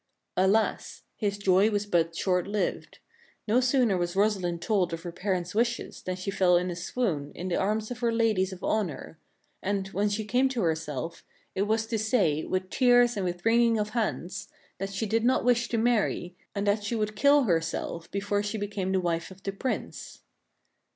Alas! his joy was but short lived. No sooner was Rosa lind told of her parents' wishes than she fell in a swoon in the arms of her ladies of honor ; and, when she came to herself, it was to say, with tears and with wringing of hands, that she did not wish to marry, and that she would kill herself before she became the wife of the Prince.